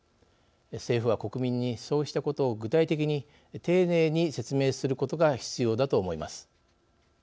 政府は、国民にそうしたことを具体的に丁寧に説明することが必要だと思います。